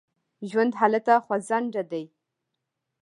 ژوند هلته خوځنده دی.